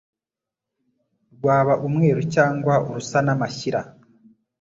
rwaba umweru cyangwa urusa n'amashyira.